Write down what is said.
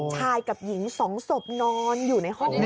ชายกับหญิงสองศพนอนอยู่ในห้องนี้